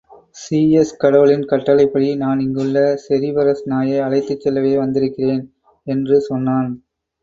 Zeus கடவுளின் கட்டளைப்படி நான் இங்குள்ள செரிபரஸ் நாயை அழைத்துச் செல்லவே வந்திருக்கிறேன்! என்று சொன்னான்.